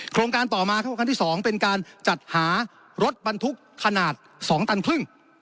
โครงการต่อมาครับครั้งที่๒เป็นการจัดหารถบรรทุกขนาด๒ตันครึ่ง